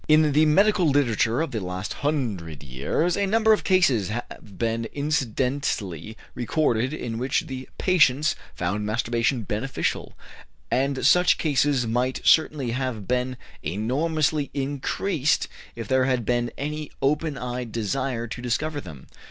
In the medical literature of the last hundred years a number of cases have been incidentally recorded in which the patients found masturbation beneficial, and such cases might certainly have been enormously increased if there had been any open eyed desire to discover them.